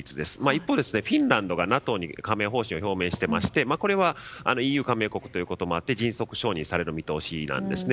一方、フィンランドがＮＡＴＯへの加盟方針を表明していましてこれはＥＵ加盟国ということもあって迅速承認される見通しなんです。